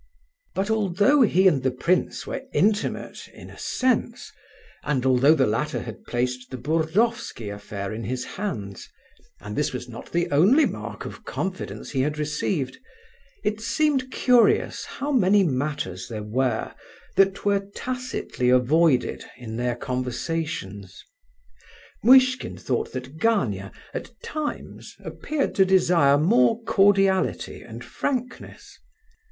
But although he and the prince were intimate, in a sense, and although the latter had placed the Burdovsky affair in his hands—and this was not the only mark of confidence he had received—it seemed curious how many matters there were that were tacitly avoided in their conversations. Muishkin thought that Gania at times appeared to desire more cordiality and frankness.